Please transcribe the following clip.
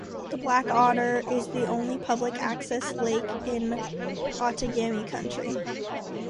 The Black Otter is the only public access lake in Outagamie County.